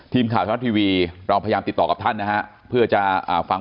ทีมข่าวไทยรัฐทีวีเราพยายามติดต่อกับท่านนะฮะเพื่อจะฟัง